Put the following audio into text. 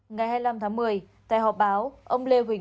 ngày hai mươi năm tháng một mươi tại họp báo